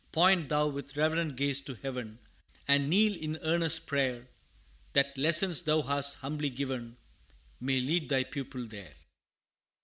Point thou with reverent gaze to heaven, And kneel in earnest prayer, That lessons thou hast humbly given, May lead thy pupil there.